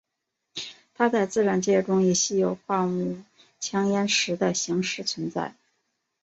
它在自然界中以稀有矿物羟铟石的形式存在。